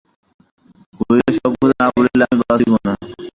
কহিল, সব কথা না বলিলে আমি বাঁচিব না।